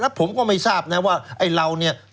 แล้วผมก็ไม่ทราบนะว่าไอ้เราเนี่ย